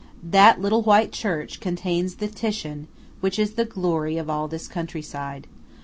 That little white church contains the Titian which is the glory of all this country side.